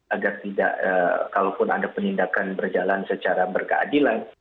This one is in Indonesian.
agar tidak kalaupun ada penindakan berjalan secara berkeadilan